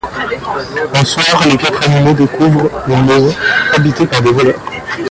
Un soir, les quatre animaux découvrent une maison habitée par des voleurs.